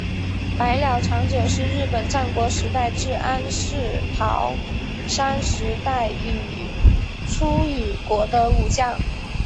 白鸟长久是日本战国时代至安土桃山时代于出羽国的武将。